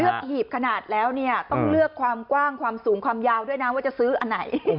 หีบขนาดแล้วเนี่ยต้องเลือกความกว้างความสูงความยาวด้วยนะว่าจะซื้ออันไหน